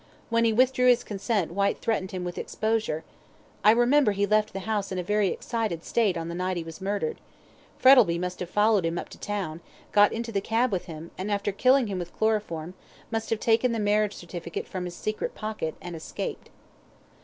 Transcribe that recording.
When he withdrew his consent, Whyte threatened him with exposure. I remember he left the house in a very excited state on the night he was murdered. Frettlby must have followed him up to town, got into the cab with him, and after killing him with chloroform, must have taken the marriage certificate from his secret pocket, and escaped."